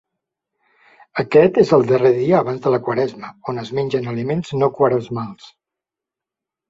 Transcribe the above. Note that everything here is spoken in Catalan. Aquest és el darrer dia abans de la Quaresma, on es mengen aliments no quaresmals.